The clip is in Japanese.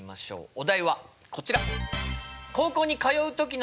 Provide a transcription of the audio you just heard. お題はこちら！